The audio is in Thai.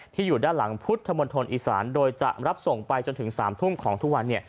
อยู่ด้านหลังพุทธมณฑลอีสานโดยจะรับส่งไปจนถึง๓ทุ่มของทุกวัน